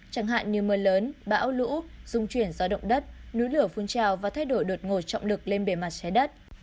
chẳng hạn như mưa lớn bão lũ dung chuyển do động đất núi lửa phun trào và thay đổi đột ngột trọng lực lên bề mặt trái đất